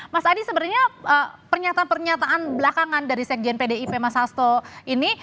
mas adi sebenarnya pernyataan pernyataan belakangan dari sekjen pdip mas hasto ini